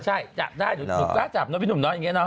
ใช่จับได้หนูกล้าจับเนอพี่หนุ่มเนาะอย่างนี้เน